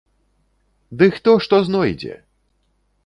Ды хто што знойдзе!